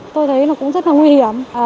tôi thấy nó cũng rất là nguy hiểm